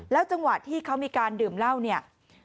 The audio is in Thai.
จังหวะที่เขามีการดื่มเหล้าเนี่ย